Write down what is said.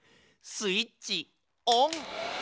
スイッチオン。